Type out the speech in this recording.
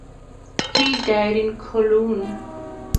He died in Cologne.